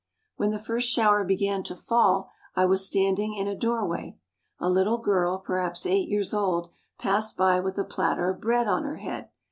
When the first shower began to fall I was standing in a doorway. A little girl, perhaps eight years old, passed by with a platter of bread on her head.